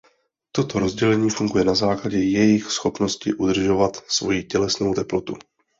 Toto rozdělení funguje na základě jejich schopnosti udržovat svoji tělesnou teplotu.